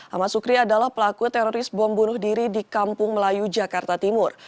ahmad sukri adalah pelaku teroris bom bunuh diri di kampung melayu jakarta timur